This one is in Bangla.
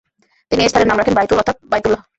তিনি এই স্থানের নাম রাখেন বায়তুল অর্থাৎ বায়তুল্লাহ।